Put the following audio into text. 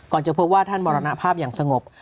จะพบว่าท่านมรณภาพอย่างสงบ